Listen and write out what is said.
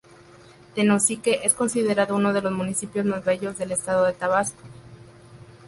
Tenosique es considerado uno de los municipios más bellos del estado de Tabasco.